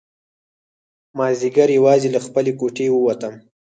مازیګر یوازې له خپلې کوټې ووتم.